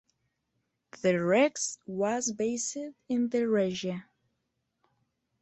The "rex" was based in the Regia.